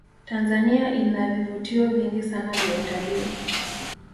tanzania ina vivutio vingi sana vya utalii